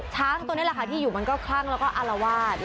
ช้างตัวนี้แหละค่ะที่อยู่มันก็คลั่งแล้วก็อารวาส